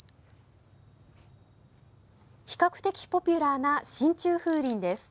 比較的ポピュラーな真鍮風鈴です。